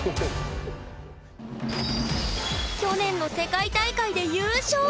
去年の世界大会で優勝！